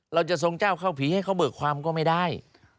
เราจะทรงเจ้าเข้าผีให้เขาเบิกความก็ไม่ได้